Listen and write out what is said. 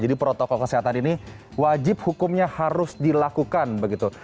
jadi protokol kesehatan ini wajib hukumnya harus dilakukan begitu